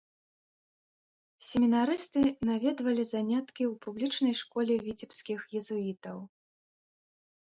Семінарысты наведвалі заняткі ў публічнай школе віцебскіх езуітаў.